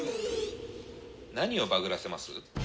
何をバグらせます？